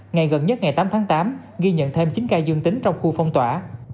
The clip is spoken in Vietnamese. ngày gần nhất ngày tám tháng tám ghi nhận thêm chín ca dương tính trong khu phong tỏa